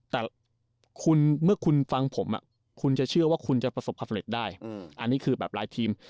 แต่เมื่อคุณฟังผมคุณจะเชื่อว่าคุณจะประสบความสำเร็จได้อันนี้คือแบบรายทีม